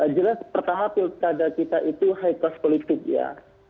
jelas pertama pilkada kita itu high cost politik ya